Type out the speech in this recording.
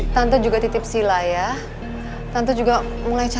tante titip silah ke kamu ya boy ya